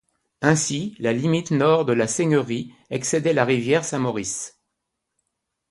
Ainsi, la limite nord de la seigneurie excédait la rivière Saint-Maurice.